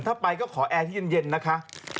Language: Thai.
ถ้าไปก็ขอแอร์ที่เย็นนะคะ